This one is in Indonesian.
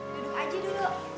duduk aja dulu